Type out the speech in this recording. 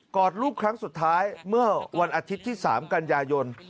อดลูกครั้งสุดท้ายเมื่อวันอาทิตย์ที่๓กันยายน